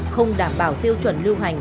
không đảm bảo tiêu chuẩn lưu hành